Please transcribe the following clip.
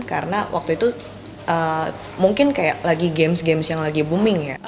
karena waktu itu mungkin kayak lagi games games yang lagi booming ya